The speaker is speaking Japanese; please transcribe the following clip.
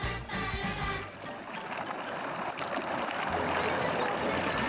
・はなかっぱおきなさい！